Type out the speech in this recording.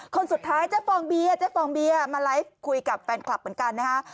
คนสุดท้ายเจ๊ฟองเบียร์มาไลฟ์คุยกับแฟนคลับเหมือนกันนะครับ